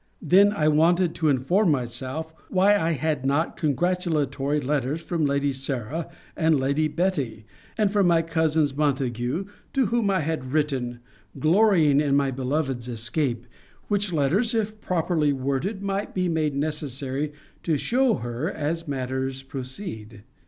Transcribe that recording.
Then I wanted to inform myself, why I had not congratulatory letters from Lady Sarah and Lady Betty, and from my cousins Montague, to whom I had written, glorying in my beloved's escape; which letters, if properly worded, might be made necessary to shew her as matters proceed.